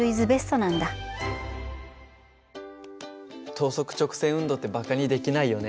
等速直線運動ってばかにできないよね。